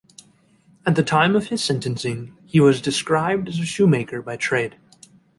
At the time of his sentencing, he was described as a shoemaker by trade.